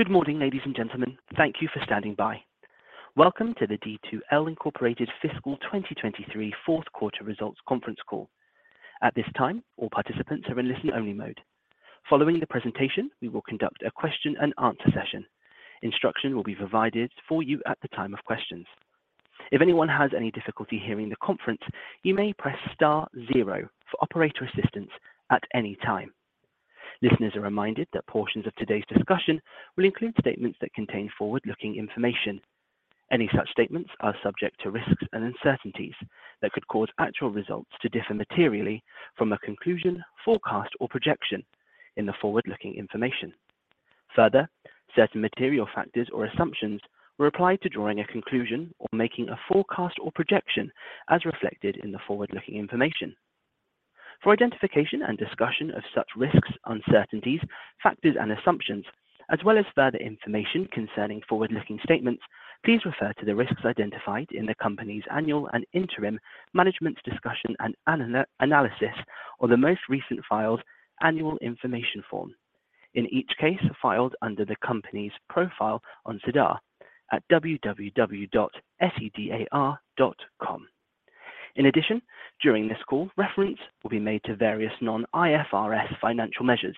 Good morning, ladies and gentlemen. Thank you for standing by. Welcome to the D2L Inc. Fiscal 2023 fourth quarter results conference call. At this time, all participants are in listen-only mode. Following the presentation, we will conduct a question and answer session. Instruction will be provided for you at the time of questions. If anyone has any difficulty hearing the conference, you may press star zero for operator assistance at any time. Listeners are reminded that portions of today's discussion will include statements that contain forward-looking information. Any such statements are subject to risks and uncertainties that could cause actual results to differ materially from a conclusion, forecast or projection in the forward-looking information. Certain material factors or assumptions were applied to drawing a conclusion or making a forecast or projection as reflected in the forward-looking information. For identification and discussion of such risks, uncertainties, factors, and assumptions, as well as further information concerning forward-looking statements. Please refer to the risks identified in the company's annual and interim management discussion and MD&A or the most recent filed annual information form, in each case filed under the company's profile on SEDAR at www.sedar.com. During this call, reference will be made to various non-IFRS financial measures,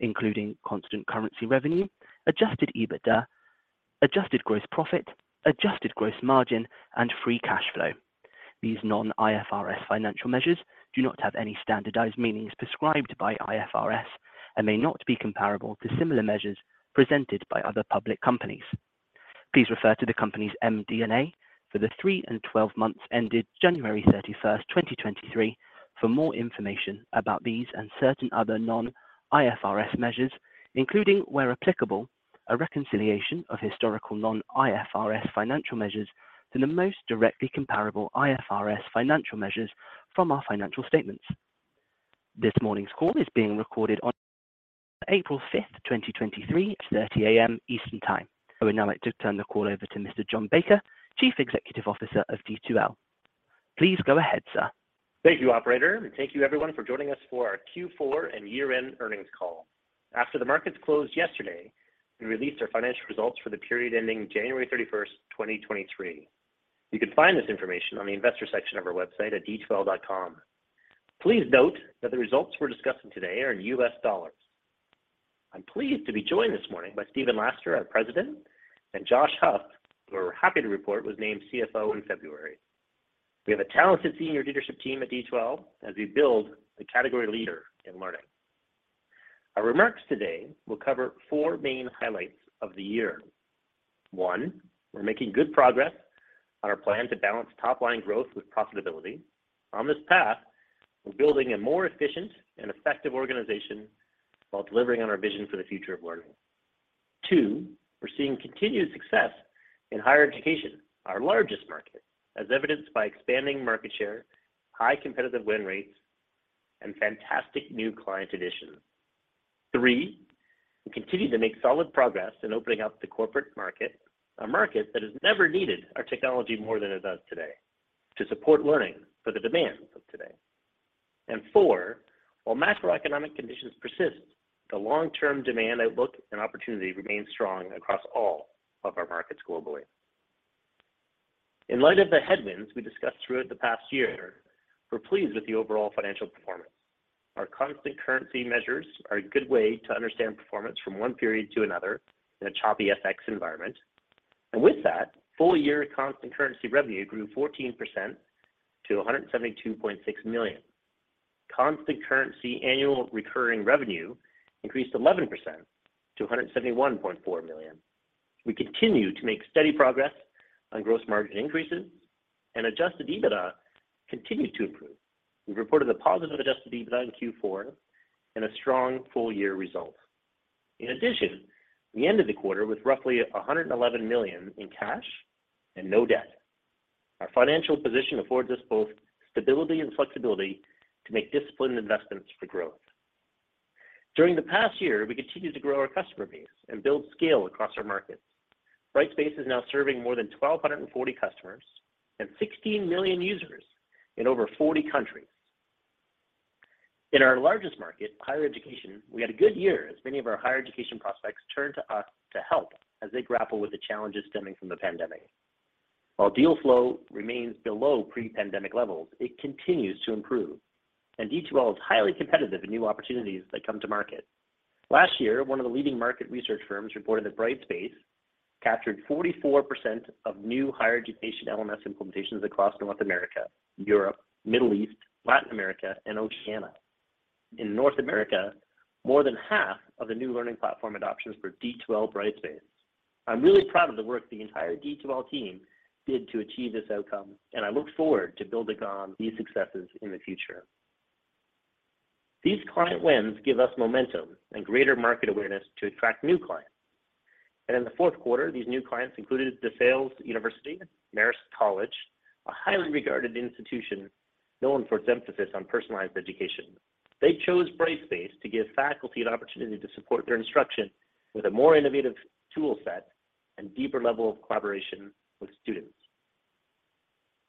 including constant currency revenue, adjusted EBITDA, adjusted gross profit, adjusted gross margin, and free cash flow. These non-IFRS financial measures do not have any standardized meanings prescribed by IFRS and may not be comparable to similar measures presented by other public companies. Please refer to the company's MD&A for the three and 12 months ended January 31st, 2023 for more information about these and certain other non-IFRS measures, including, where applicable, a reconciliation of historical non-IFRS financial measures to the most directly comparable IFRS financial measures from our financial statements. This morning's call is being recorded on April 5th, 2023 at 2:00 A.M. Eastern Time. I would now like to turn the call over to Mr. John Baker, Chief Executive Officer of D2L. Please go ahead, sir. Thank you, operator, thank you everyone for joining us for our Q4 and year-end earnings call. After the markets closed yesterday, we released our financial results for the period ending January 31st, 2023. You can find this information on the investor section of our website at d2l.com. Please note that the results we're discussing today are in US dollars. I'm pleased to be joined this morning by Stephen Laster, our President, and Josh Huff, who we're happy to report was named CFO in February. We have a talented senior leadership team at D2L as we build the category leader in learning. Our remarks today will cover four main highlights of the year. One, we're making good progress on our plan to balance top-line growth with profitability. On this path, we're building a more efficient and effective organization while delivering on our vision for the future of learning. Two, we're seeing continued success in higher education, our largest market, as evidenced by expanding market share, high competitive win rates, and fantastic new client additions. Three, we continue to make solid progress in opening up the corporate market, a market that has never needed our technology more than it does today to support learning for the demands of today. Four, while macroeconomic conditions persist, the long-term demand outlook and opportunity remains strong across all of our markets globally. In light of the headwinds we discussed throughout the past year, we're pleased with the overall financial performance. Our constant currency measures are a good way to understand performance from one period to another in a choppy FX environment. With that, full-year constant currency revenue grew 14% to $172.6 million. Constant currency annual recurring revenue increased 11% to $171.4 million. We continue to make steady progress on gross margin increases and adjusted EBITDA continues to improve. We've reported a positive adjusted EBITDA in Q4 and a strong full-year result. In addition, we ended the quarter with roughly $111 million in cash and no debt. Our financial position affords us both stability and flexibility to make disciplined investments for growth. During the past year, we continued to grow our customer base and build scale across our markets. Brightspace is now serving more than 1,240 customers and 16 million users in over 40 countries. In our largest market, higher education, we had a good year as many of our higher education prospects turned to us to help as they grapple with the challenges stemming from the pandemic. While deal flow remains below pre-pandemic levels, it continues to improve, and D2L is highly competitive in new opportunities that come to market. Last year, one of the leading market research firms reported that Brightspace captured 44% of new higher education LMS implementations across North America, Europe, Middle East, Latin America, and Oceania. In North America, more than half of the new learning platform adoptions were D2L Brightspace. I'm really proud of the work the entire D2L team did to achieve this outcome, and I look forward to building on these successes in the future. These client wins give us momentum and greater market awareness to attract new clients. In the fourth quarter, these new clients included DeSales University, Marist College, a highly regarded institution known for its emphasis on personalized education. They chose Brightspace to give faculty an opportunity to support their instruction with a more innovative tool set and deeper level of collaboration with students.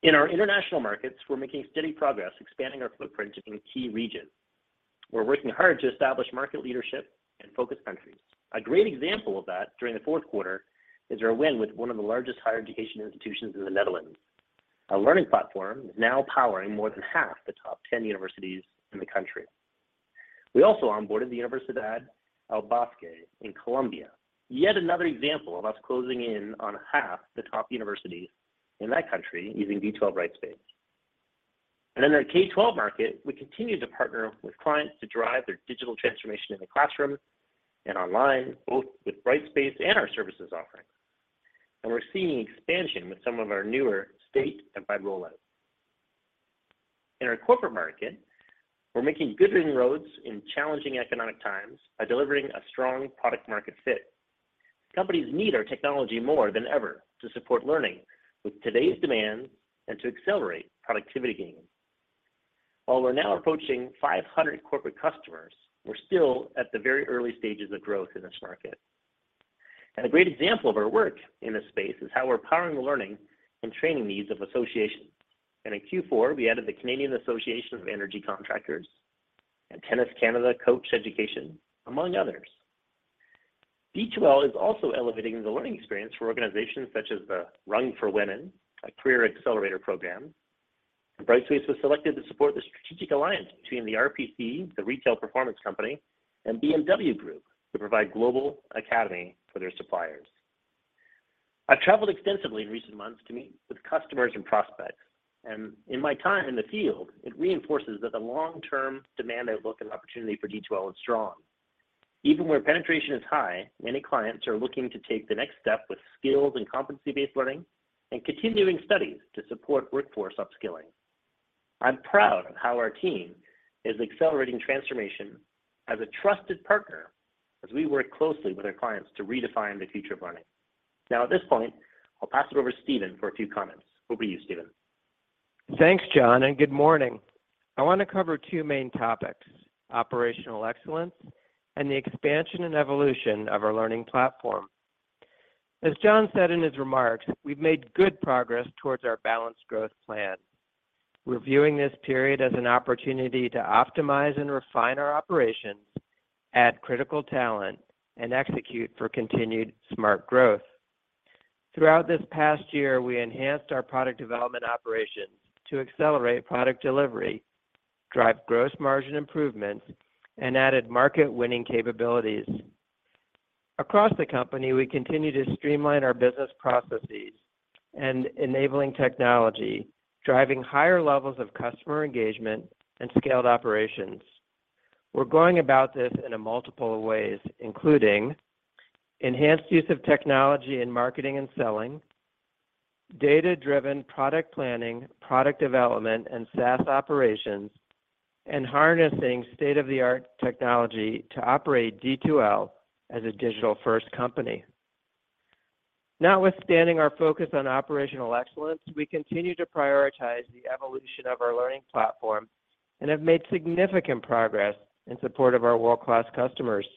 In our international markets, we're making steady progress expanding our footprint in key regions. We're working hard to establish market leadership in focus countries. A great example of that during the fourth quarter is our win with one of the largest higher education institutions in the Netherlands. Our learning platform is now powering more than half the top 10 universities in the country. We also onboarded the University EAFIT El Bosque in Colombia. Yet another example of us closing in on half the top universities in that country using D2L Brightspace. In our K-12 market, we continue to partner with clients to drive their digital transformation in the classroom and online, both with Brightspace and our services offerings. We're seeing expansion with some of our newer state and federal rollout. In our corporate market, we're making good inroads in challenging economic times by delivering a strong product market fit. Companies need our technology more than ever to support learning with today's demands and to accelerate productivity gains. While we're now approaching 500 corporate customers, we're still at the very early stages of growth in this market. A great example of our work in this space is how we're powering the learning and training needs of associations. In Q4, we added the Canadian Association of Energy Contractors and Tennis Canada Coach Education, among others. D2L is also elevating the learning experience for organizations such as the Rung for Women, a career accelerator program. Brightspace was selected to support the strategic alliance between the rpc, The Retail Performance Company, and BMW Group to provide global academy for their suppliers. I've traveled extensively in recent months to meet with customers and prospects. In my time in the field, it reinforces that the long-term demand outlook and opportunity for D2L is strong. Even where penetration is high, many clients are looking to take the next step with skills and competency-based learning and continuing studies to support workforce upskilling. I'm proud of how our team is accelerating transformation as a trusted partner as we work closely with our clients to redefine the future of learning. At this point, I'll pass it over to Stephen for a few comments. Over to you, Stephen. Thanks, John. Good morning. I want to cover two main topics: operational excellence and the expansion and evolution of our learning platform. As John said in his remarks, we've made good progress towards our balanced growth plan. We're viewing this period as an opportunity to optimize and refine our operations, add critical talent, and execute for continued smart growth. Throughout this past year, we enhanced our product development operations to accelerate product delivery, drive gross margin improvements, and added market-winning capabilities. Across the company, we continue to streamline our business processes and enabling technology, driving higher levels of customer engagement and scaled operations. We're going about this in a multiple of ways, including enhanced use of technology in marketing and selling, data-driven product planning, product development, and SaaS operations, and harnessing state-of-the-art technology to operate D2L as a digital-first company. Notwithstanding our focus on operational excellence, we continue to prioritize the evolution of our learning platform and have made significant progress in support of our world-class customers.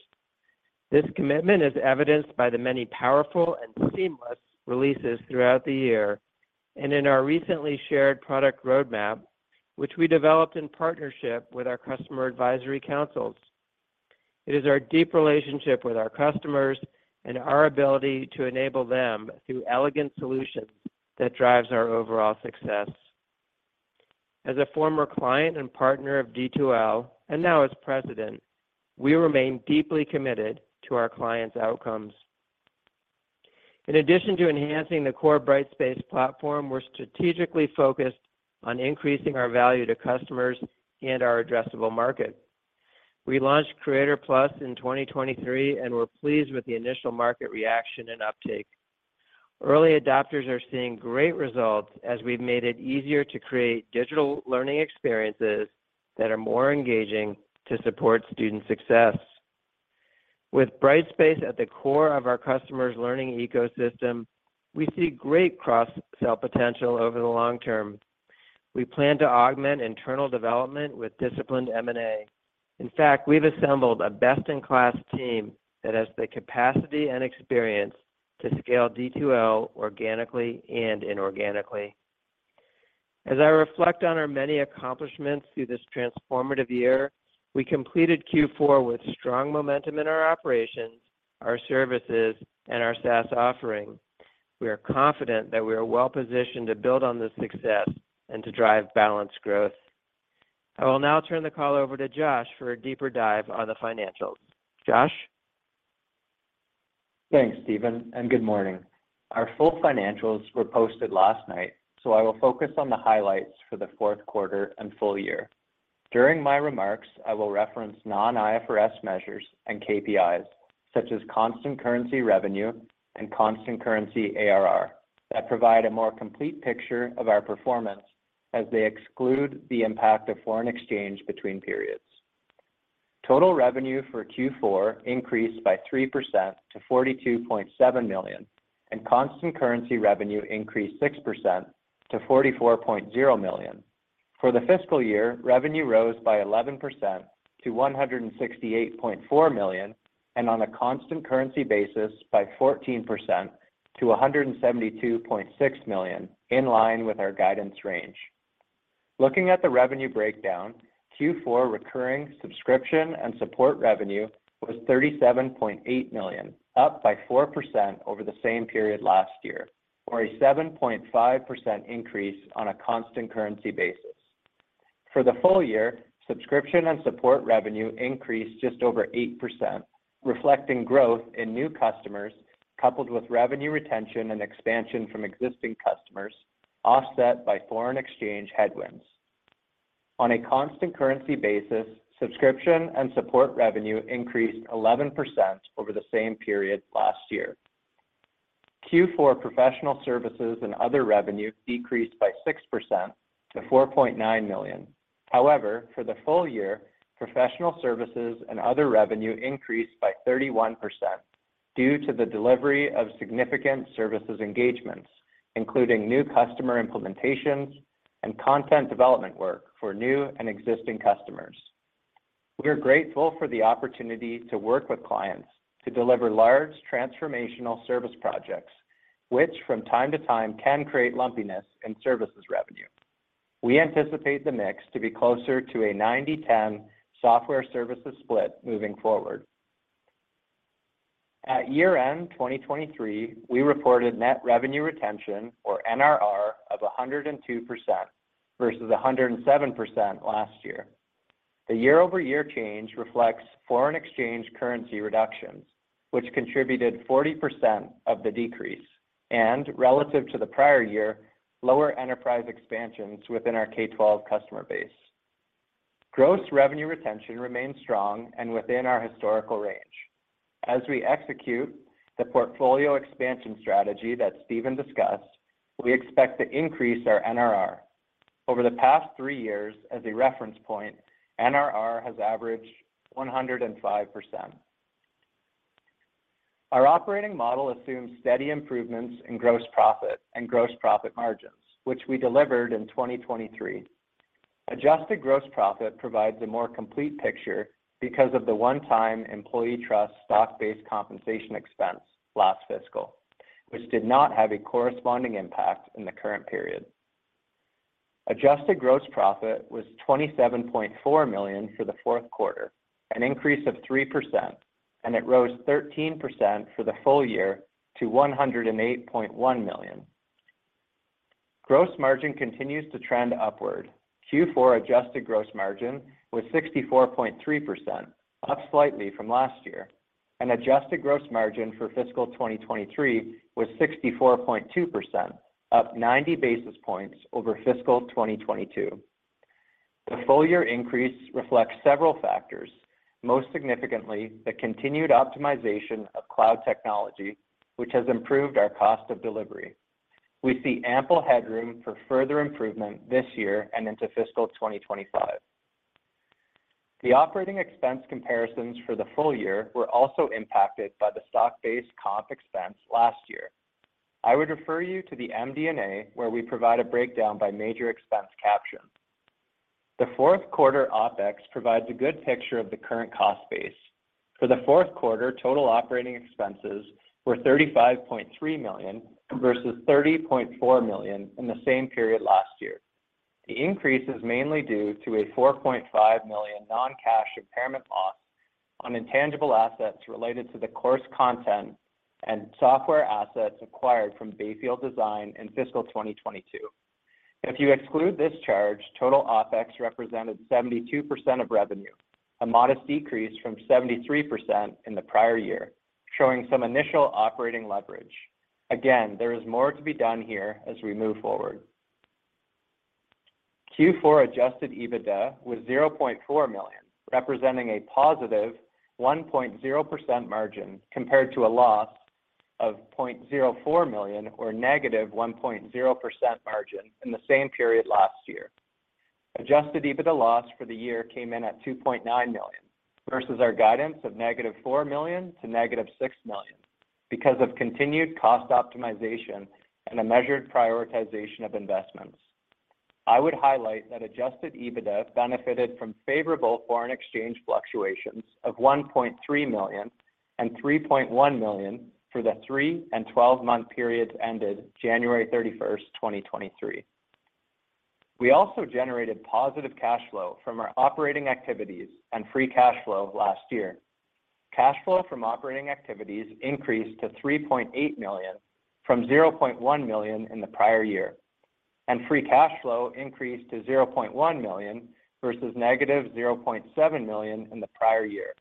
This commitment is evidenced by the many powerful and seamless releases throughout the year and in our recently shared product roadmap, which we developed in partnership with our customer advisory councils. It is our deep relationship with our customers and our ability to enable them through elegant solutions that drives our overall success. As a former client and partner of D2L, and now as President, we remain deeply committed to our clients' outcomes. In addition to enhancing the core Brightspace platform, we're strategically focused on increasing our value to customers and our addressable market. We launched Creator+ in 2023, and we're pleased with the initial market reaction and uptake. Early adopters are seeing great results as we've made it easier to create digital learning experiences that are more engaging to support student success. With Brightspace at the core of our customers' learning ecosystem, we see great cross-sell potential over the long term. We plan to augment internal development with disciplined M&A. In fact, we've assembled a best-in-class team that has the capacity and experience to scale D2L organically and inorganically. As I reflect on our many accomplishments through this transformative year, we completed Q4 with strong momentum in our operations, our services, and our SaaS offering. We are confident that we are well-positioned to build on this success and to drive balanced growth. I will now turn the call over to Josh for a deeper dive on the financials. Josh? Thanks, Stephen. Good morning. Our full financials were posted last night. I will focus on the highlights for the fourth quarter and full year. During my remarks, I will reference non-IFRS measures and KPIs such as constant currency revenue and constant currency ARR that provide a more complete picture of our performance as they exclude the impact of foreign exchange between periods. Total revenue for Q4 increased by 3% to $42.7 million, and constant currency revenue increased 6% to $44.0 million. For the fiscal year, revenue rose by 11% to $168.4 million and on a constant currency basis by 14% to $172.6 million in line with our guidance range. Looking at the revenue breakdown, Q4 recurring subscription and support revenue was $37.8 million, up by 4% over the same period last year or a 7.5% increase on a constant currency basis. For the full year, subscription and support revenue increased just over 8%, reflecting growth in new customers coupled with revenue retention and expansion from existing customers offset by foreign exchange headwinds. On a constant currency basis, subscription and support revenue increased 11% over the same period last year. Q4 professional services and other revenue decreased by 6% to $4.9 million. For the full year, professional services and other revenue increased by 31% due to the delivery of significant services engagements, including new customer implementations and content development work for new and existing customers. We are grateful for the opportunity to work with clients to deliver large transformational service projects, which from time to time can create lumpiness in services revenue. We anticipate the mix to be closer to a 90/10 software-services split moving forward. At year-end 2023, we reported net revenue retention or NRR of 102% versus 107% last year. The year-over-year change reflects foreign exchange currency reductions, which contributed 40% of the decrease, and relative to the prior year, lower enterprise expansions within our K-12 customer base. Gross revenue retention remains strong and within our historical range. As we execute the portfolio expansion strategy that Stephen discussed, we expect to increase our NRR. Over the past three years as a reference point, NRR has averaged 105%. Our operating model assumes steady improvements in gross profit and gross profit margins, which we delivered in 2023. Adjusted gross profit provides a more complete picture because of the one-time employee trust stock-based compensation expense last fiscal, which did not have a corresponding impact in the current period. Adjusted gross profit was $27.4 million for the fourth quarter, an increase of 3%, and it rose 13% for the full year to $108.1 million. Gross margin continues to trend upward. Q4 adjusted gross margin was 64.3%, up slightly from last year, and adjusted gross margin for fiscal 2023 was 64.2%, up 90 basis points over fiscal 2022. The full-year increase reflects several factors, most significantly the continued optimization of cloud technology, which has improved our cost of delivery. We see ample headroom for further improvement this year and into fiscal 2025. The operating expense comparisons for the full year were also impacted by the stock-based comp expense last year. I would refer you to the MD&A where we provide a breakdown by major expense caption. The fourth quarter OpEx provides a good picture of the current cost base. For the fourth quarter, total operating expenses were $35.3 million versus $30.4 million in the same period last year. The increase is mainly due to a $4.5 million non-cash impairment loss on intangible assets related to the course content and software assets acquired from Bayfield Design in fiscal 2022. If you exclude this charge, total OpEx represented 72% of revenue, a modest decrease from 73% in the prior year, showing some initial operating leverage. There is more to be done here as we move forward. Q4 adjusted EBITDA was $0.4 million, representing a positive 1.0% margin compared to a loss of $0.04 million or -1.0% margin in the same period last year. Adjusted EBITDA loss for the year came in at $2.9 million versus our guidance of -$4 million to -$6 million because of continued cost optimization and a measured prioritization of investments. I would highlight that adjusted EBITDA benefited from favorable foreign exchange fluctuations of $1.3 million and $3.1 million for the three- and twelve-month periods ended January 31, 2023. We also generated positive cash flow from our operating activities and free cash flow last year. Cash flow from operating activities increased to $3.8 million from $0.1 million in the prior year, and free cash flow increased to $0.1 million versus negative $0.7 million in the prior year.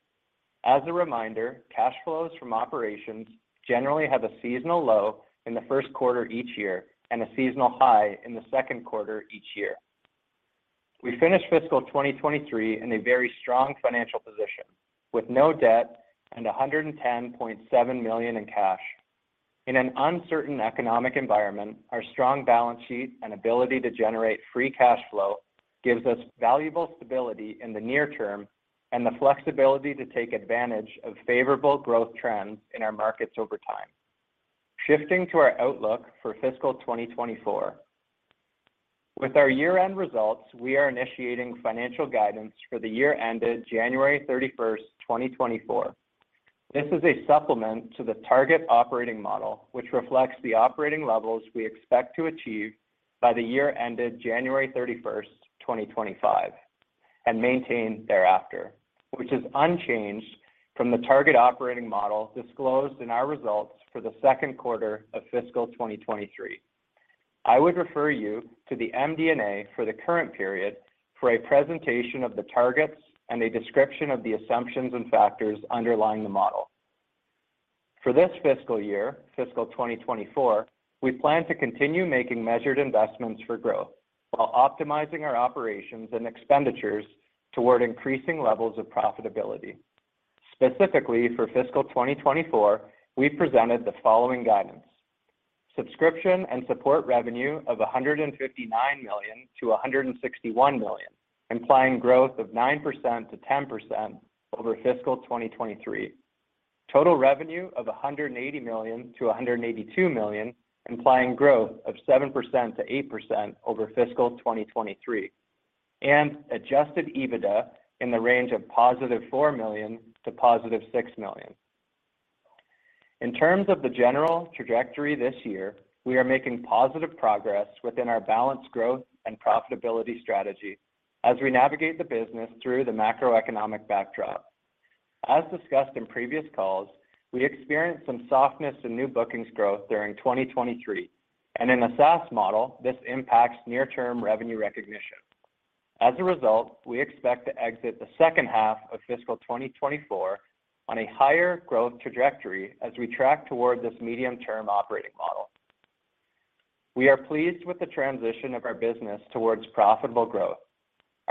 As a reminder, cash flows from operations generally have a seasonal low in the first quarter each year and a seasonal high in the second quarter each year. We finished fiscal 2023 in a very strong financial position with no debt and $110.7 million in cash. In an uncertain economic environment, our strong balance sheet and ability to generate free cash flow gives us valuable stability in the near term and the flexibility to take advantage of favorable growth trends in our markets over time. Shifting to our outlook for fiscal 2024. With our year-end results, we are initiating financial guidance for the year ended January 31st, 2024. This is a supplement to the target operating model, which reflects the operating levels we expect to achieve by the year ended January 31st, 2025, and maintain thereafter, which is unchanged from the target operating model disclosed in our results for the second quarter of fiscal 2023. I would refer you to the MD&A for the current period for a presentation of the targets and a description of the assumptions and factors underlying the model. For this fiscal year, fiscal 2024, we plan to continue making measured investments for growth while optimizing our operations and expenditures toward increasing levels of profitability. Specifically, for fiscal 2024, we presented the following guidance: subscription and support revenue of $159 million-$161 million, implying growth of 9%-10% over fiscal 2023. Total revenue of $180 million-$182 million, implying growth of 7%-8% over fiscal 2023. Adjusted EBITDA in the range of positive $4 million to positive $6 million. In terms of the general trajectory this year, we are making positive progress within our balanced growth and profitability strategy as we navigate the business through the macroeconomic backdrop. As discussed in previous calls, we experienced some softness in new bookings growth during 2023, and in a SaaS model, this impacts near-term revenue recognition. As a result, we expect to exit the second half of fiscal 2024 on a higher growth trajectory as we track toward this medium-term operating model. We are pleased with the transition of our business towards profitable growth.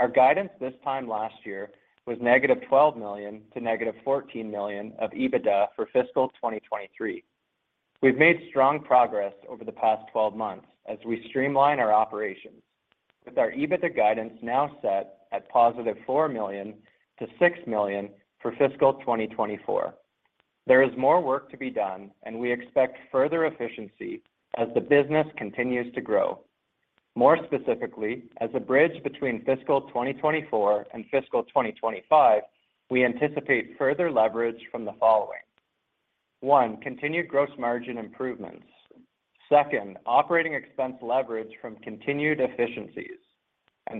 Our guidance this time last year was -$12 million to -$14 million of EBITDA for fiscal 2023. We've made strong progress over the past 12 months as we streamline our operations with our EBITDA guidance now set at +$4 million to $6 million for fiscal 2024. There is more work to be done. We expect further efficiency as the business continues to grow. More specifically, as a bridge between fiscal 2024 and fiscal 2025, we anticipate further leverage from the following. One, continued gross margin improvements. Second, operating expense leverage from continued efficiencies.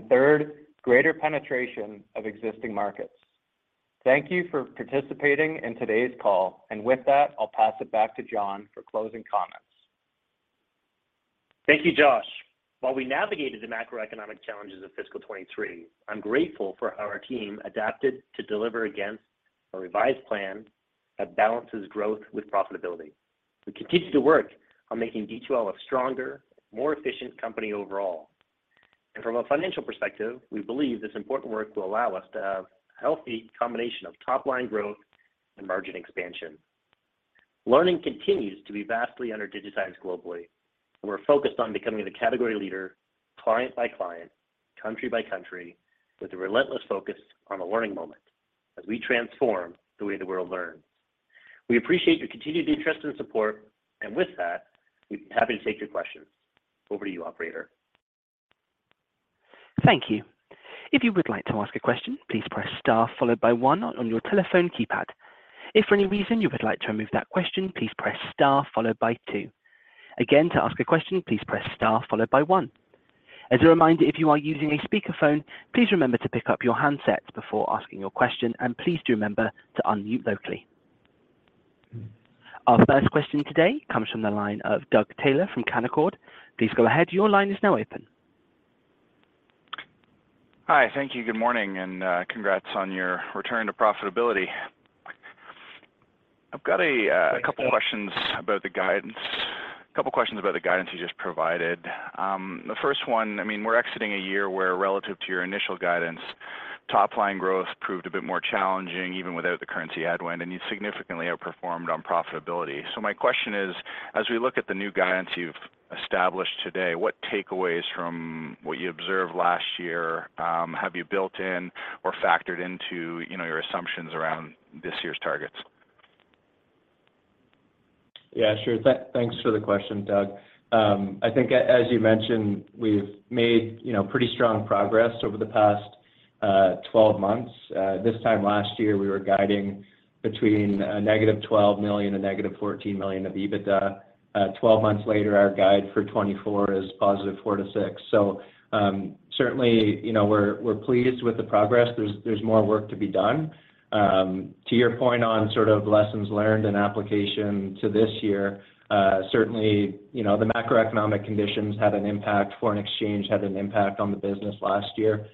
Third, greater penetration of existing markets. Thank you for participating in today's call. With that, I'll pass it back to John for closing comments. Thank you, Josh. While we navigated the macroeconomic challenges of fiscal 2023, I'm grateful for how our team adapted to deliver against a revised plan that balances growth with profitability. We continue to work on making D2L a stronger, more efficient company overall. From a financial perspective, we believe this important work will allow us to have a healthy combination of top-line growth and margin expansion. Learning continues to be vastly under-digitized globally, and we're focused on becoming the category leader client by client, country by country, with a relentless focus on the learning moment as we transform the way the world learns. We appreciate your continued interest and support. With that, we'd be happy to take your questions. Over to you, operator. Thank you. If you would like to ask a question, please press star followed by one on your telephone keypad. If for any reason you would like to remove that question, please press star followed by two. Again, to ask a question, please press star followed by one. As a reminder, if you are using a speakerphone, please remember to pick up your handset before asking your question, and please do remember to unmute locally. Our first question today comes from the line of Doug Taylor from Canaccord. Please go ahead. Your line is now open. Hi. Thank you. Good morning, and congrats on your return to profitability. Thanks, Doug. A couple questions about the guidance you just provided. The first one, I mean, we're exiting a year where relative to your initial guidance, top-line growth proved a bit more challenging even without the currency headwind, and you significantly outperformed on profitability. My question is, as we look at the new guidance you've established today, what takeaways from what you observed last year, have you built in or factored into, you know, your assumptions around this year's targets? Yeah, sure. Thanks for the question, Doug. I think as you mentioned, we've made, you know, pretty strong progress over the past 12 months. This time last year, we were guiding between a negative $12 million to negative $14 million of EBITDA. 12 months later, our guide for 2024 is positive $4 million to $6 million. Certainly, you know, we're pleased with the progress. There's more work to be done. To your point on sort of lessons learned and application to this year, certainly, you know, the macroeconomic conditions had an impact, foreign exchange had an impact on the business last year.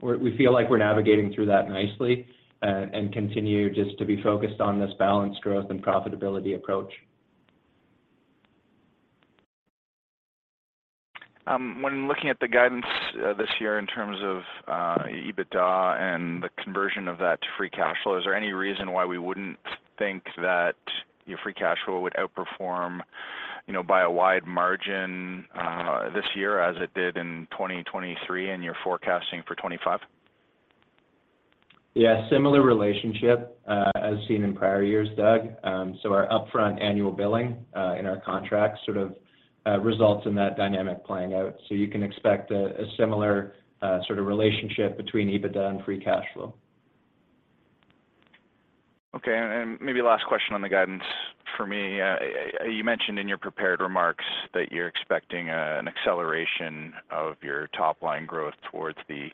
We feel like we're navigating through that nicely and continue just to be focused on this balanced growth and profitability approach. When looking at the guidance, this year in terms of EBITDA and the conversion of that to free cash flow, is there any reason why we wouldn't think that your free cash flow would outperform, you know, by a wide margin, this year as it did in 2023 and you're forecasting for 2025? Yeah, similar relationship, as seen in prior years, Doug. Our upfront annual billing, in our contracts sort of, results in that dynamic playing out. You can expect a similar sort of relationship between EBITDA and free cash flow. Okay. Maybe last question on the guidance for me. You mentioned in your prepared remarks that you're expecting an acceleration of your top-line growth towards the, you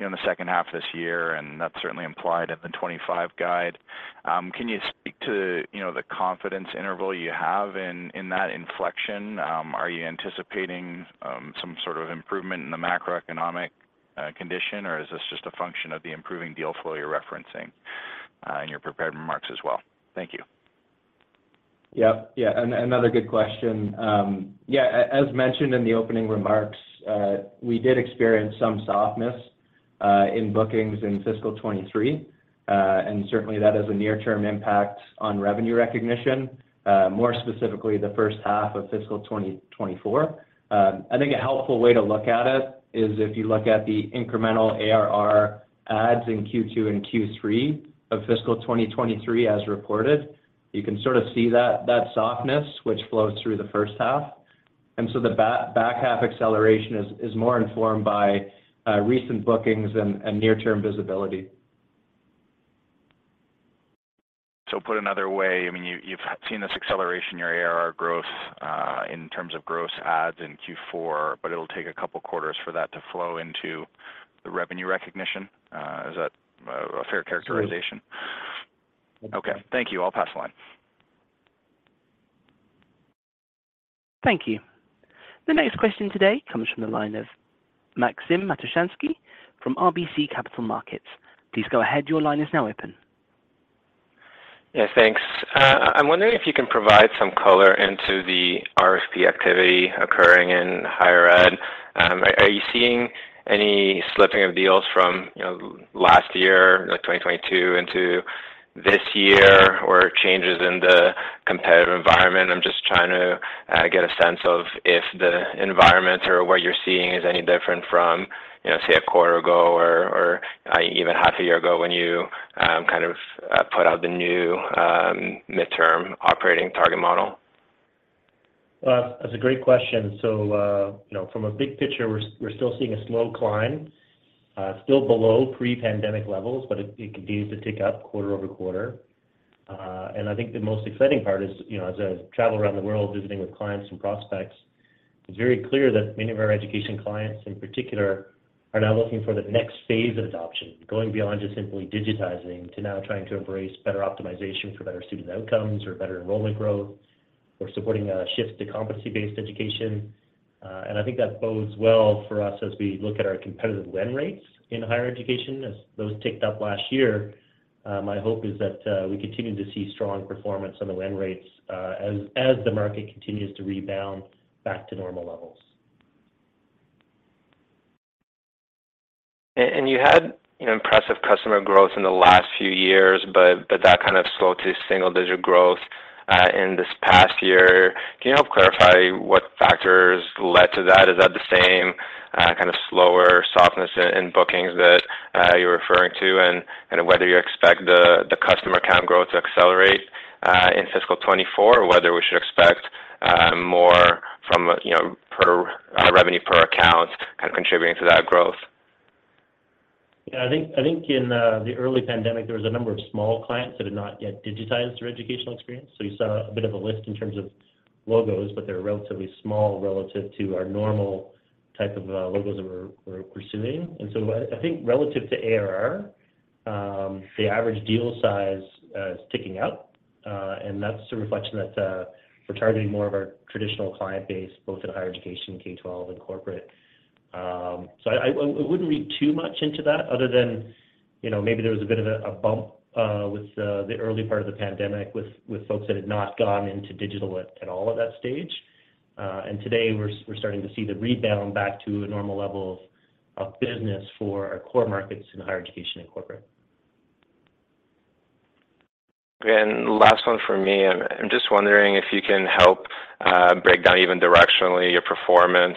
know, in the second half of this year, and that's certainly implied at the 25 guide. Can you speak to, you know, the confidence interval you have in that inflection? Are you anticipating some sort of improvement in the macroeconomic condition, or is this just a function of the improving deal flow you're referencing in your prepared remarks as well? Thank you. Yep. Yeah. Another good question. As mentioned in the opening remarks, we did experience some softness in bookings in fiscal 2023. Certainly that has a near-term impact on revenue recognition, more specifically the first half of fiscal 2024. I think a helpful way to look at it is if you look at the incremental ARR adds in Q2 and Q3 of fiscal 2023 as reported, you can sort of see that softness which flows through the first half. The back half acceleration is more informed by recent bookings and near-term visibility. Put another way, I mean, you've seen this acceleration in your ARR growth in terms of gross adds in Q4, but it'll take a couple quarters for that to flow into the revenue recognition. Is that a fair characterization? Absolutely. Okay. Thank you. I'll pass the line. Thank you. The next question today comes from the line of Maxim Matushansky from RBC Capital Markets. Please go ahead. Your line is now open. Yeah, thanks. I'm wondering if you can provide some color into the RFP activity occurring in higher ed. Are you seeing any slipping of deals from, you know, last year, like 2022 into this year or changes in the competitive environment? I'm just trying to get a sense of if the environment or what you're seeing is any different from, you know, say, a quarter ago or even half a year ago when you kind of put out the new midterm operating target model. Well, that's a great question. You know, from a big picture, we're still seeing a slow climb, still below pre-pandemic levels, but it continues to tick up quarter-over-quarter. I think the most exciting part is, you know, as I travel around the world visiting with clients and prospects, it's very clear that many of our education clients in particular are now looking for the next phase of adoption, going beyond just simply digitizing to now trying to embrace better optimization for better student outcomes or better enrollment growth or supporting a shift to competency-based education. I think that bodes well for us as we look at our competitive win rates in higher education as those ticked up last year. My hope is that we continue to see strong performance on the win rates as the market continues to rebound back to normal levels. You had impressive customer growth in the last few years, but that kind of slowed to single-digit growth in this past year. Can you help clarify what factors led to that? Is that the same kind of slower softness in bookings that you're referring to? Whether you expect the customer count growth to accelerate in fiscal 2024, or whether we should expect more from, you know, revenue per account kind of contributing to that growth. Yeah, I think, I think in the early pandemic, there was a number of small clients that had not yet digitized their educational experience. You saw a bit of a lift in terms of logos, but they're relatively small relative to our normal type of logos that we're pursuing. I think relative to ARR, the average deal size is ticking up. That's a reflection that we're targeting more of our traditional client base, both at higher education, K-12, and corporate. I wouldn't read too much into that other than, you know, maybe there was a bit of a bump with the early part of the pandemic with folks that had not gone into digital at all at that stage. Today we're starting to see the rebound back to a normal level of business for our core markets in higher education and corporate. Last one for me. I'm just wondering if you can help break down even directionally your performance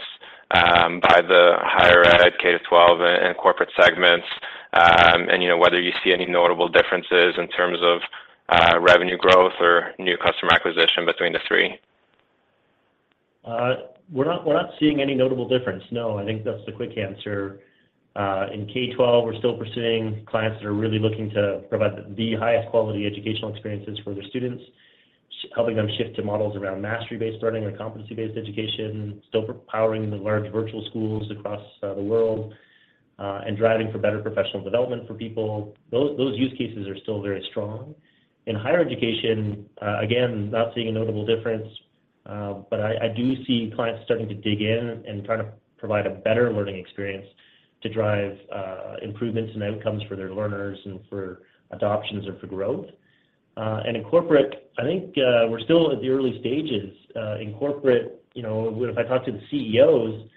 by the higher ed, K to 12, and corporate segments, and, you know, whether you see any notable differences in terms of revenue growth or new customer acquisition between the three? We're not seeing any notable difference. No, I think that's the quick answer. In K-12, we're still pursuing clients that are really looking to provide the highest quality educational experiences for their students, helping them shift to models around mastery-based learning or competency-based education, still powering the large virtual schools across the world and driving for better professional development for people. Those use cases are still very strong. In higher education, again, not seeing a notable difference, but I do see clients starting to dig in and try to provide a better learning experience to drive improvements in outcomes for their learners and for adoptions or for growth. In corporate, I think, we're still at the early stages. In corporate, you know, if I talk to the CEOs,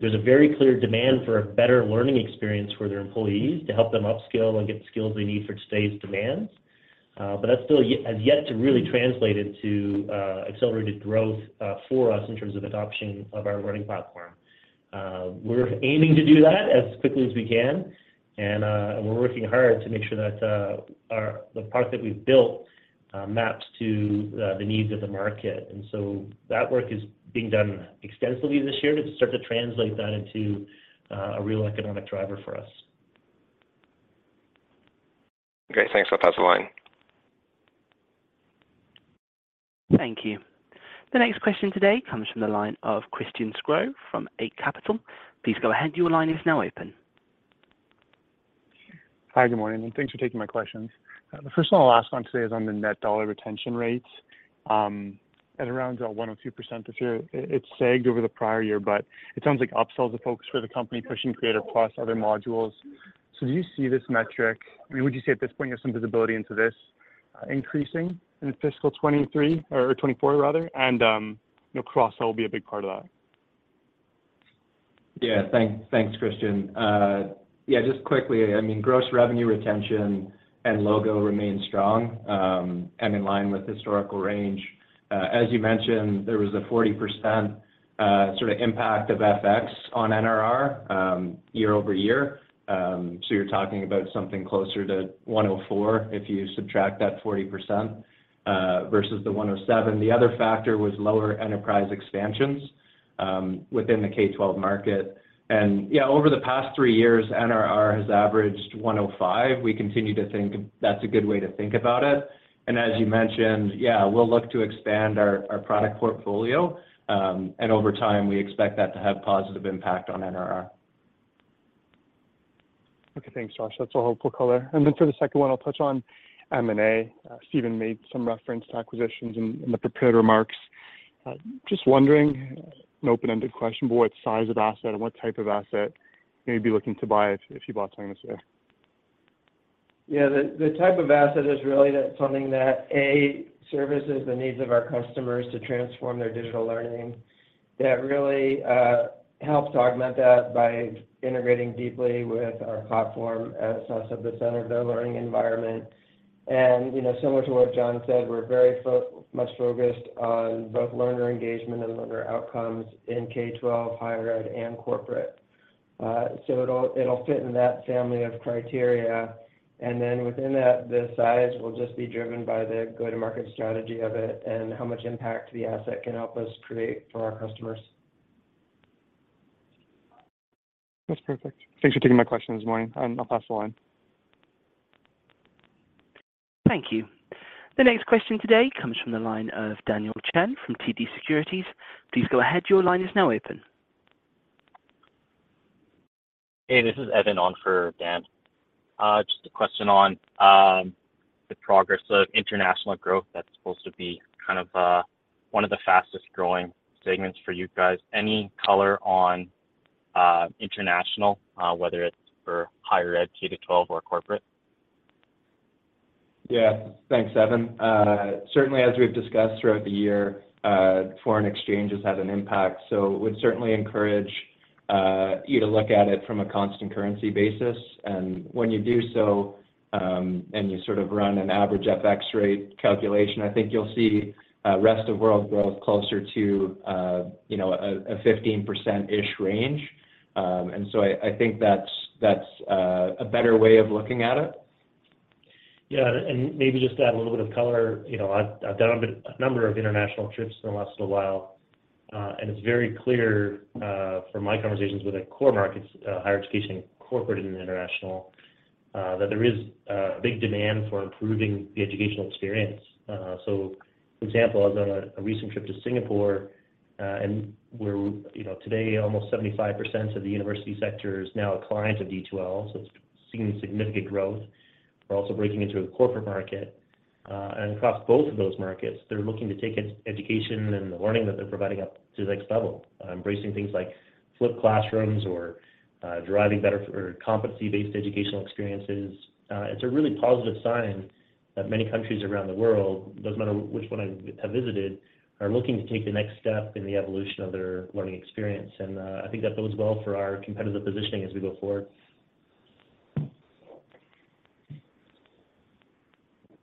there's a very clear demand for a better learning experience for their employees to help them upskill and get the skills they need for today's demands. That still has yet to really translate into accelerated growth for us in terms of adoption of our learning platform. We're aiming to do that as quickly as we can, and we're working hard to make sure that the product that we've built maps to the needs of the market. That work is being done extensively this year to start to translate that into a real economic driver for us. Okay. Thanks. I'll pass the line. Thank you. The next question today comes from the line of Christian Sgro from Eight Capital. Please go ahead. Your line is now open. Hi. Good morning, thanks for taking my questions. The first and the last one today is on the net dollar retention rates. At around 102% this year, it sagged over the prior year, but it sounds like upsell is a focus for the company, pushing Creator+ other modules. Do you see this metric? I mean, would you say at this point you have some visibility into this, increasing in fiscal 2023 or 2024 rather? You know, cross-sell will be a big part of that. Thank, thanks, Christian. just quickly, I mean, gross revenue retention and logo remain strong and in line with historical range. As you mentioned, there was a 40% sort of impact of FX on NRR year-over-year. So you're talking about something closer to 104 if you subtract that 40% versus the 107. The other factor was lower enterprise expansions within the K-12 market. Over the past three years, NRR has averaged 105. We continue to think that's a good way to think about it. As you mentioned, we'll look to expand our product portfolio, and over time, we expect that to have positive impact on NRR. Okay. Thanks, Josh. That's a helpful color. Then for the second one, I'll touch on M&A. Stephen made some reference to acquisitions in the prepared remarks. Just wondering, an open-ended question, but what size of asset and what type of asset you may be looking to buy if you bought something this year? Yeah. The type of asset is really something that, A, services the needs of our customers to transform their digital learning that really helps to augment that by integrating deeply with our platform as us at the center of their learning environment. You know, similar to what John said, we're very much focused on both learner engagement and learner outcomes in K-12, higher ed, and corporate. It'll fit in that family of criteria. Within that, the size will just be driven by the go-to-market strategy of it and how much impact the asset can help us create for our customers. That's perfect. Thanks for taking my question this morning. I'll pass the line. Thank you. The next question today comes from the line of Daniel Chan from TD Securities. Please go ahead. Your line is now open. Hey, this is Evan on for Dan. Just a question on the progress of international growth that's supposed to be kind of one of the fastest-growing segments for you guys. Any color on international, whether it's for higher ed, K to twelve, or corporate? Yeah. Thanks, Evan. Certainly as we've discussed throughout the year, foreign exchange has had an impact, so would certainly encourage you to look at it from a constant currency basis. When you do so, and you sort of run an average FX rate calculation, I think you'll see rest of world growth closer to, you know, a 15%-ish range. I think that's a better way of looking at it. Yeah. Maybe just to add a little bit of color. You know, I've done a number of international trips in the last little while, it's very clear from my conversations with the core markets, higher education, corporate, and international, that there is a big demand for improving the educational experience. For example, I was on a recent trip to Singapore, you know, today, almost 75% of the university sector is now a client of D2L, so it's seeing significant growth. We're also breaking into the corporate market. Across both of those markets, they're looking to take education and the learning that they're providing up to the next level, embracing things like flipped classrooms or driving better for competency-based educational experiences. It's a really positive sign that many countries around the world, doesn't matter which one I have visited, are looking to take the next step in the evolution of their learning experience. I think that bodes well for our competitive positioning as we go forward.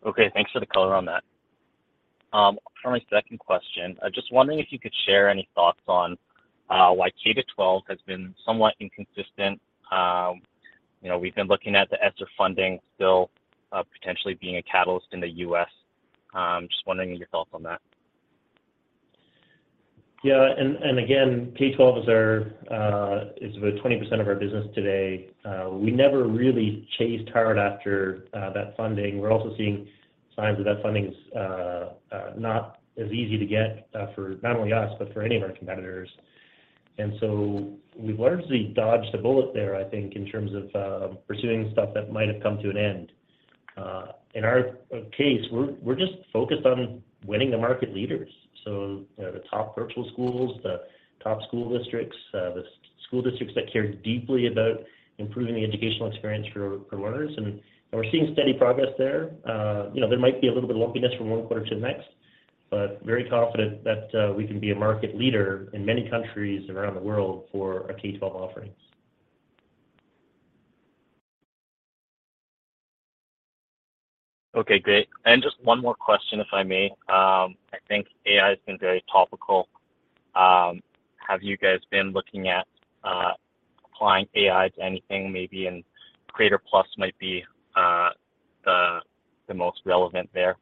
Okay. Thanks for the color on that. For my second question, I'm just wondering if you could share any thoughts on why K to 12 has been somewhat inconsistent. You know, we've been looking at the ESSER funding still potentially being a catalyst in the U.S. Just wondering your thoughts on that. Yeah. Again, K-12 is our, is about 20% of our business today. We never really chased hard after that funding. We're also seeing signs that that funding is not as easy to get for not only us, but for any of our competitors. We've largely dodged a bullet there, I think, in terms of pursuing stuff that might have come to an end. In our case, we're just focused on winning the market leaders. So, you know, the top virtual schools, the top school districts, the school districts that care deeply about improving the educational experience for learners. We're seeing steady progress there. You know, there might be a little bit of lumpiness from one quarter to the next, but very confident that we can be a market leader in many countries around the world for our K-12 offerings. Okay, great. Just one more question, if I may. I think AI has been very topical. Have you guys been looking at applying AI to anything maybe in Creator+ might be the most relevant there?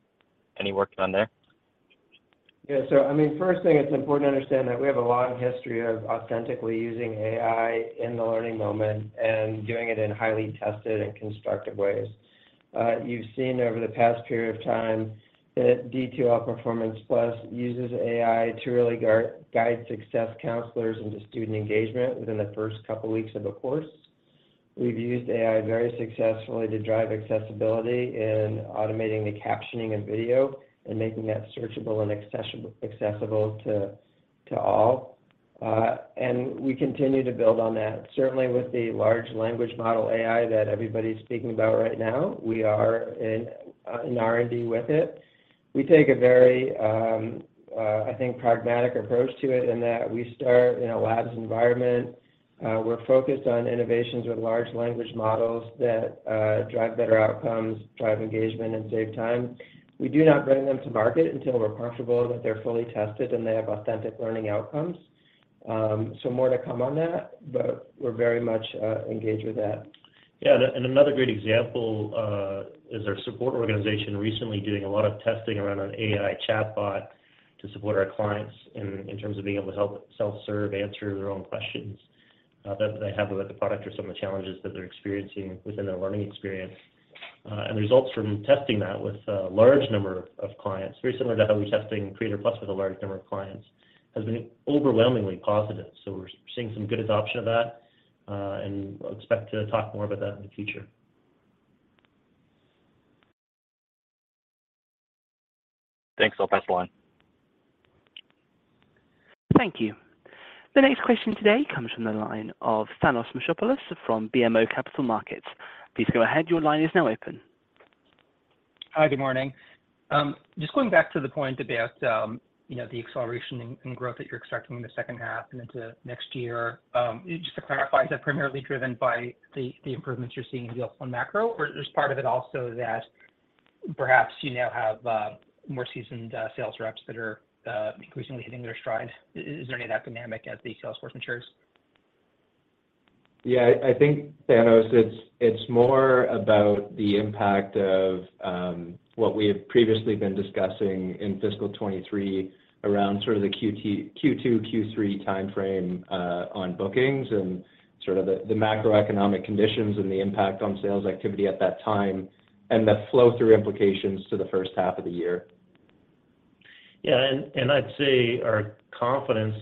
Any work done there? I mean, first thing, it's important to understand that we have a long history of authentically using AI in the learning moment and doing it in highly tested and constructive ways. You've seen over the past period of time that D2L Performance+ uses AI to really guide success counselors into student engagement within the first couple weeks of a course. We've used AI very successfully to drive accessibility in automating the captioning and video and making that searchable and accessible to all. We continue to build on that. Certainly with the large language model AI that everybody's speaking about right now, we are in R&D with it. We take a very, I think pragmatic approach to it in that we start in a labs environment. We're focused on innovations with large language models that drive better outcomes, drive engagement, and save time. We do not bring them to market until we're comfortable that they're fully tested and they have authentic learning outcomes. More to come on that, but we're very much engaged with that. Yeah. Another great example is our support organization recently doing a lot of testing around an AI chatbot to support our clients in terms of being able to help self-serve, answer their own questions that they have about the product or some of the challenges that they're experiencing within their learning experience. The results from testing that with a large number of clients, very similar to how we're testing Creator+ with a large number of clients, has been overwhelmingly positive. We're seeing some good adoption of that, and expect to talk more about that in the future. Thanks. I'll pass the line. Thank you. The next question today comes from the line of Thanos Moschopoulos from BMO Capital Markets. Please go ahead. Your line is now open. Hi, good morning. Just going back to the point about, you know, the acceleration and growth that you're expecting in the second half and into next year. Just to clarify, is that primarily driven by the improvements you're seeing in the upfront macro, or is part of it also that perhaps you now have more seasoned sales reps that are increasingly hitting their stride? Is there any of that dynamic as the sales force matures? Yeah. I think, Thanos, it's more about the impact of what we have previously been discussing in fiscal 2023 around sort of the Q2, Q3 timeframe, on bookings and sort of the macroeconomic conditions and the impact on sales activity at that time, and the flow-through implications to the first half of the year. Yeah, I'd say our confidence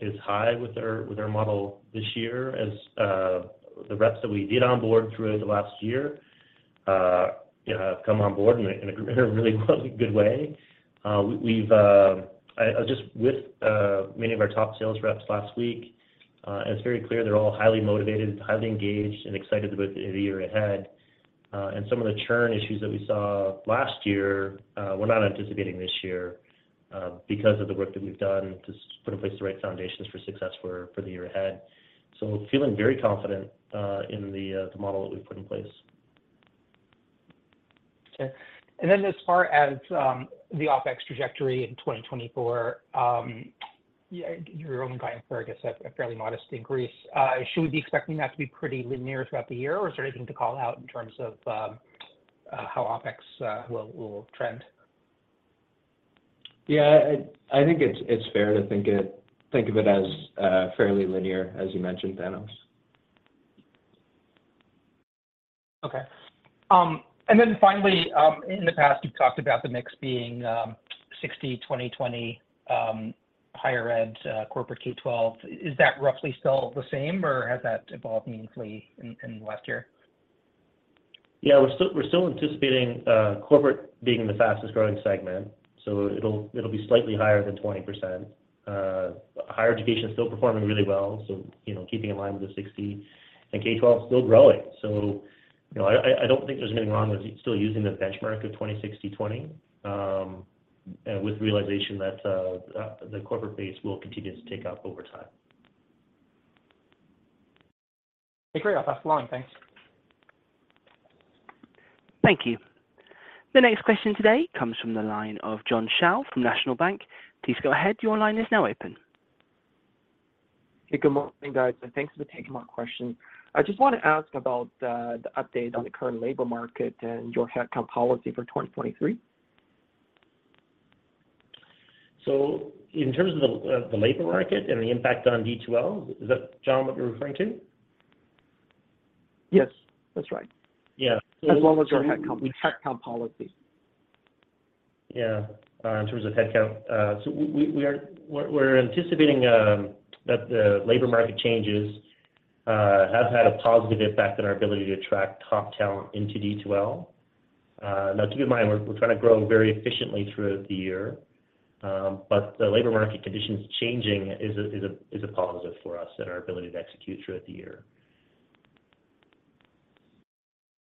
is high with our, with our model this year as the reps that we did onboard through the last year, you know, have come on board in a really good way. I was just with many of our top sales reps last week, and it's very clear they're all highly motivated, highly engaged, and excited about the year ahead. Some of the churn issues that we saw last year, we're not anticipating this year, because of the work that we've done to put in place the right foundations for success for the year ahead. Feeling very confident in the model that we've put in place. Okay. Then as far as the OpEx trajectory in 2024, your own guidance there, I guess a fairly modest increase. Should we be expecting that to be pretty linear throughout the year, or is there anything to call out in terms of how OpEx will trend? Yeah. I think it's fair to think of it as fairly linear, as you mentioned, Thanos. Okay. Finally, in the past, you've talked about the mix being 60/20/20, higher ed, corporate K-12. Is that roughly still the same, or has that evolved meaningfully in the last year? Yeah. We're still anticipating corporate being the fastest-growing segment, so it'll be slightly higher than 20%. Higher education is still performing really well, so, you know, keeping in line with the 60. K-12 is still growing. You know, I don't think there's anything wrong with still using the benchmark of 20/60/20, with realization that the corporate base will continue to tick up over time. Okay, great. I'll pass the line. Thanks. Thank you. The next question today comes from the line of John Shao from National Bank. Please go ahead. Your line is now open. Hey, good morning, guys, and thanks for taking my question. I just want to ask about the update on the current labor market and your headcount policy for 2023? In terms of the labor market and the impact on D2L, is that, John, what you're referring to? Yes, that's right. Yeah. As well as your headcount, the headcount policy. Yeah. In terms of headcount, we're anticipating that the labor market changes have had a positive effect on our ability to attract top talent into D2L. To keep in mind, we're trying to grow very efficiently throughout the year, but the labor market conditions changing is a positive for us and our ability to execute throughout the year.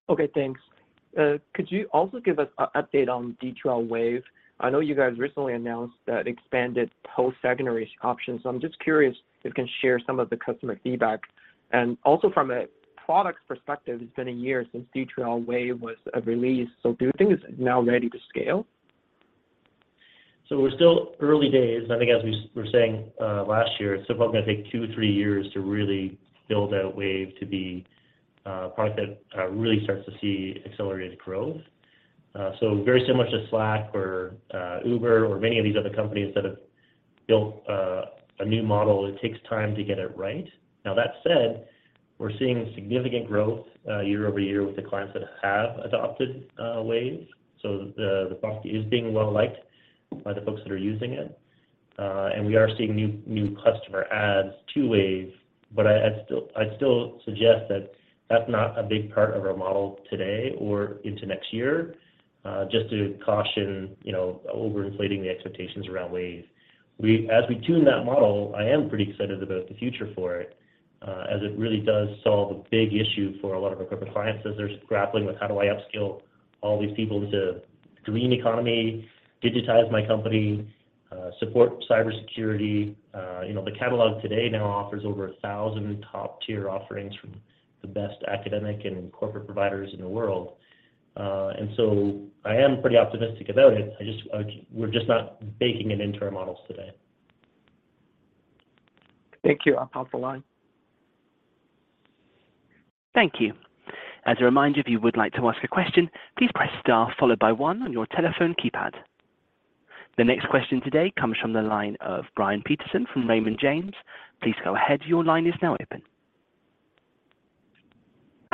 Okay, thanks. Could you also give us an update on D2L Wave? I know you guys recently announced that expanded postsecondary option, so I'm just curious if you can share some of the customer feedback. Also from a product perspective, it's been a year since D2L Wave was released. Do you think it's now ready to scale? We're still early days. I think as we were saying last year, it's probably going to take two, three years to really build out Wave to be a product that really starts to see accelerated growth. Very similar to Slack or Uber or many of these other companies that have built a new model. It takes time to get it right. That said, we're seeing significant growth year-over-year with the clients that have adopted Wave. The product is being well-liked by the folks that are using it. We are seeing new customer adds to Wave. I'd still suggest that that's not a big part of our model today or into next year, just to caution, you know, over-inflating the expectations around Wave. As we tune that model, I am pretty excited about the future for it, as it really does solve a big issue for a lot of our corporate clients as they're grappling with how do I upskill all these people into the green economy, digitize my company, support cybersecurity. You know, the catalog today now offers over 1,000 top-tier offerings from the best academic and corporate providers in the world. I am pretty optimistic about it. I just, We're just not baking it into our models today. Thank you. I'll pass the line. Thank you. As a reminder, if you would like to ask a question, please press star followed by one on your telephone keypad. The next question today comes from the line of Brian Peterson from Raymond James. Please go ahead, your line is now open.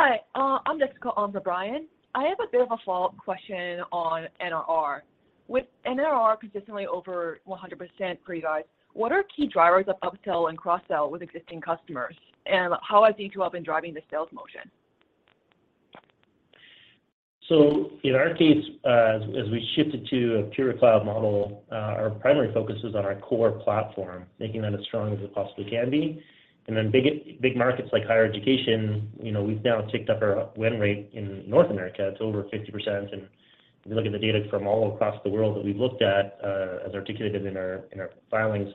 Hi, I'm Jessica on for Brian. I have a bit of a follow-up question on NRR. With NRR consistently over 100% for you guys, what are key drivers of upsell and cross-sell with existing customers, and how has D2L been driving the sales motion? In our case, as we shifted to a pure cloud model, our primary focus is on our core platform, making that as strong as it possibly can be. Big markets like higher education, you know, we've now ticked up our win rate in North America to over 50%. If you look at the data from all across the world that we've looked at, as articulated in our, in our filings,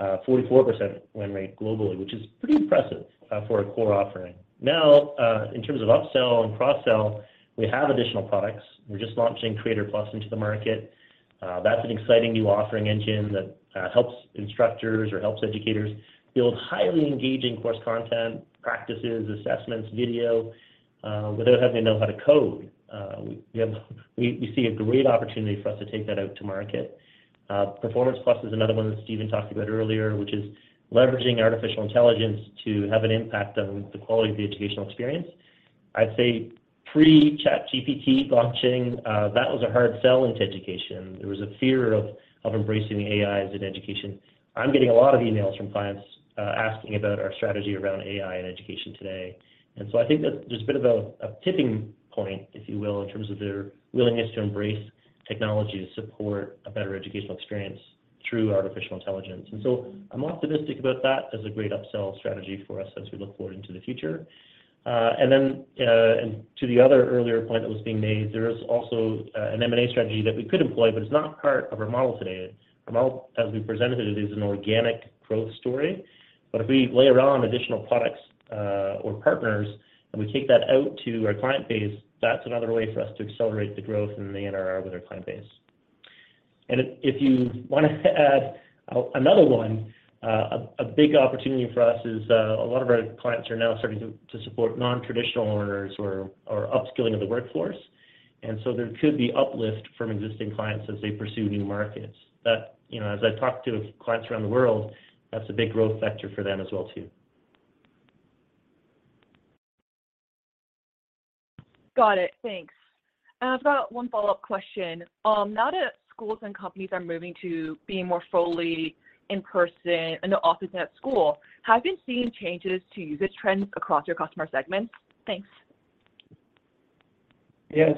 44% win rate globally, which is pretty impressive for a core offering. Now, in terms of upsell and cross-sell, we have additional products. We're just launching Creator+ into the market. That's an exciting new offering engine that helps instructors or helps educators build highly engaging course content, practices, assessments, video, without having to know how to code. We see a great opportunity for us to take that out to market. Performance+ is another one that Steven talked about earlier, which is leveraging artificial intelligence to have an impact on the quality of the educational experience. I'd say pre-ChatGPT launching, that was a hard sell into education. There was a fear of embracing AI as an education. I'm getting a lot of emails from clients, asking about our strategy around AI and education today. I think that there's a bit of a tipping point, if you will, in terms of their willingness to embrace technology to support a better educational experience through artificial intelligence. I'm optimistic about that as a great upsell strategy for us as we look forward into the future. To the other earlier point that was being made, there is also an M&A strategy that we could employ, but it's not part of our model today. Our model, as we presented it, is an organic growth story. If we layer on additional products or partners and we take that out to our client base, that's another way for us to accelerate the growth in the NRR with our client base. If you wanna add another one, a big opportunity for us is a lot of our clients are now starting to support non-traditional learners or upskilling of the workforce. There could be uplift from existing clients as they pursue new markets. You know, as I've talked to clients around the world, that's a big growth factor for them as well, too. Got it. Thanks. I've got one follow-up question. Now that schools and companies are moving to being more fully in-person in the office and at school, have you seen changes to usage trends across your customer segments? Thanks. Yeah.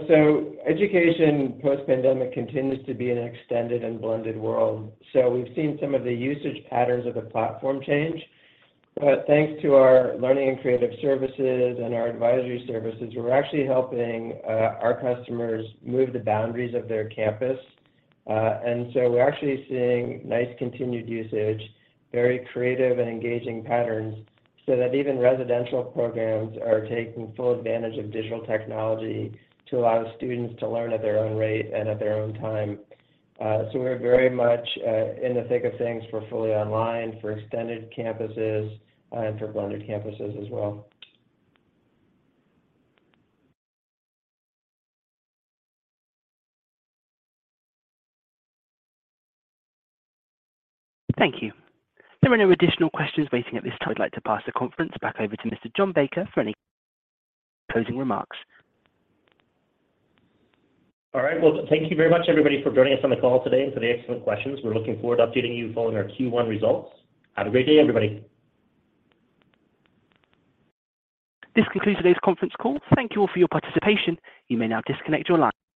Education post-pandemic continues to be an extended and blended world. We've seen some of the usage patterns of the platform change. Thanks to our learning and creative services and our advisory services, we're actually helping our customers move the boundaries of their campus. We're actually seeing nice continued usage, very creative and engaging patterns so that even residential programs are taking full advantage of digital technology to allow students to learn at their own rate and at their own time. We're very much in the thick of things for fully online, for extended campuses, and for blended campuses as well. Thank you. There are no additional questions waiting at this time. I'd like to pass the conference back over to Mr. John Baker for any closing remarks. All right. Well, thank you very much, everybody, for joining us on the call today and for the excellent questions. We're looking forward to updating you following our Q1 results. Have a great day, everybody. This concludes today's conference call. Thank you all for your participation. You may now disconnect your line.